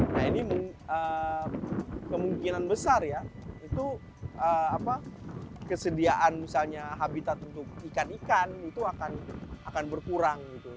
nah ini kemungkinan besar ya itu kesediaan misalnya habitat untuk ikan ikan itu akan berkurang gitu